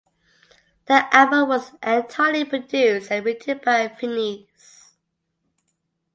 The album was entirely produced and written by Finneas.